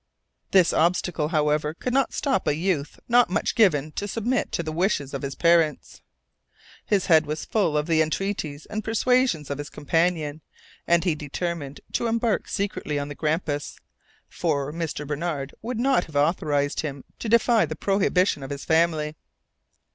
This obstacle, however, could not stop a youth not much given to submit to the wishes of his parents. His head was full of the entreaties and persuasion of his companion, and he determined to embark secretly on the Grampus, for Mr. Barnard would not have authorized him to defy the prohibition of his family.